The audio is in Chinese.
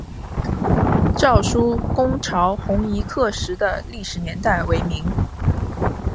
赵纾攻剿红夷刻石的历史年代为明。